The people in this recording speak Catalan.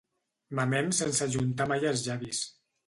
Mamem sense ajuntar mai els llavis.